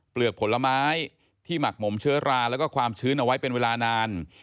กผลไม้ที่หมักหมมเชื้อราแล้วก็ความชื้นเอาไว้เป็นเวลานาน